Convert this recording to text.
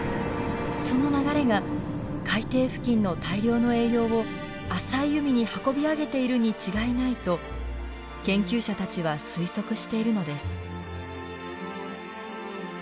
その流れが海底付近の大量の栄養を浅い海に運び上げているに違いないと研究者たちは推測しているのです。